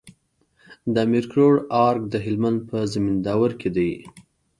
د امير کروړ ارګ د هلمند په زينداور کي دی